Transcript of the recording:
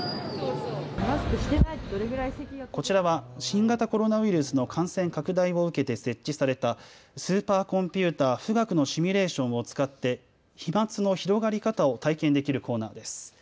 こちらは新型コロナウイルスの感染拡大を受けて設置されたスーパーコンピューター、富岳のシミュレーションを使って飛まつの広がり方を体験できるコーナーです。